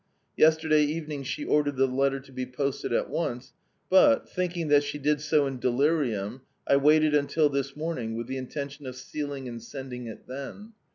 Yesterday evening she ordered the letter to be posted at once, but, thinking at she did so in delirium, I waited until this morning, with the intention of sealing and sending it then.